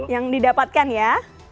yang didapatkan ya